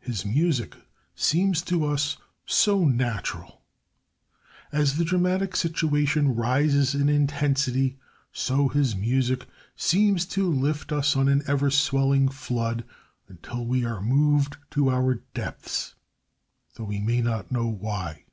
His music seems to us so natural. As the dramatic situation rises in intensity, so his music seems to lift us on an ever swelling flood until we are moved to our depths though we may not know why.